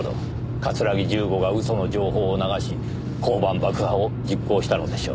桂木重吾が嘘の情報を流し交番爆破を実行したのでしょう。